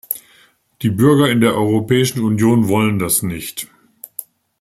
Die Bürger in der Europäischen Union wollen das nicht.